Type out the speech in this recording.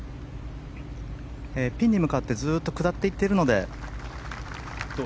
ピンに向かってずっと下っていているので。